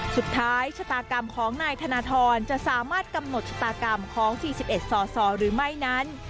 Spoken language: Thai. ชะตากรรมของนายธนทรจะสามารถกำหนดชะตากรรมของ๔๑สอสอหรือไม่นั้น